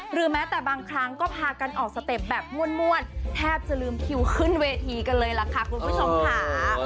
หรือแม้แต่บางครั้งก็พากันออกสเต็ปแบบม่วนแทบจะลืมคิวขึ้นเวทีกันเลยล่ะค่ะคุณผู้ชมค่ะ